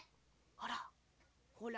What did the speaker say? あらほら。